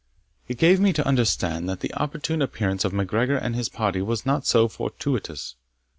It gave me to understand that the opportune appearance of MacGregor and his party was not fortuitous.